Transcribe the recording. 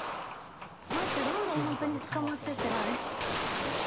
待って、どんどん捕まっていってない？